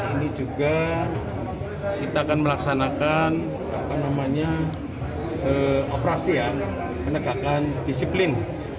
ini juga kita akan melaksanakan operasi yang penegakan disiplin